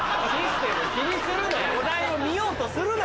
気にするなよ。